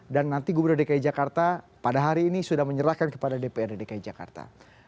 dan nanti gubernur dki jakarta pada hari ini sudah menyerahkan kepada dprd dki jakarta